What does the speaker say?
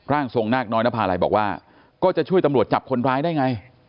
ทรงนาคน้อยนภาลัยบอกว่าก็จะช่วยตำรวจจับคนร้ายได้ไง